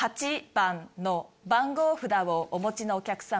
８番の番号札をお持ちのお客様。